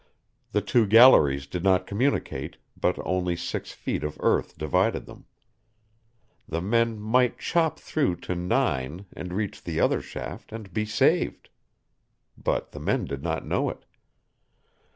The two galleries did not communicate, but only six feet of earth divided them. The men might chop through to 9 and reach the other shaft and be saved. But the men did not know it.